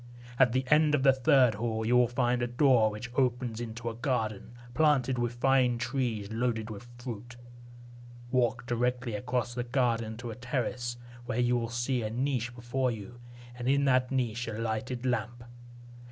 At the end of the third hall, you will find a door which opens into a garden, planted with fine trees loaded with fruit. Walk directly across the garden to a terrace, where you will see a niche before you, and in that niche a lighted lamp.